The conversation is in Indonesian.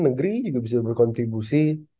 negeri juga bisa berkontribusi